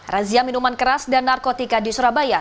razia minuman keras dan narkotika di surabaya